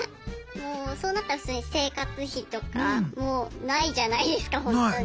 そうなったら普通に生活費とかもうないじゃないですかほんとに。